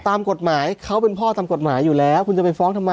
ตามกฎหมายเขาเป็นพ่อตามกฎหมายอยู่แล้วคุณจะไปฟ้องทำไม